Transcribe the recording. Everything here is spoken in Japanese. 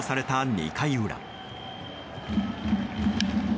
２回裏。